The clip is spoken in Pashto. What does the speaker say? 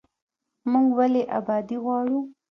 موږ ولې ابادي غواړو؟